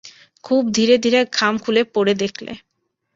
খুব ধীরে ধীরে খাম খুলে পড়ে দেখলে।